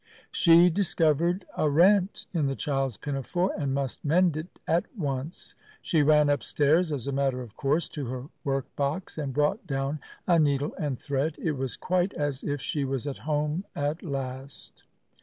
She discovered a rent in the child's pinafore and must mend it at once. She ran upstairs, as a matter of course, to her work box, and brought down a needle and thread. It was quite as if she was at home at last.